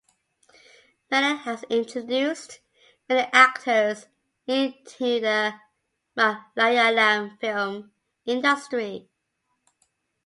Menon has introduced many actors into the Malayalam film industry.